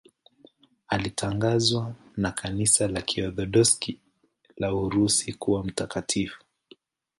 Alitangazwa na Kanisa la Kiorthodoksi la Urusi kuwa mtakatifu.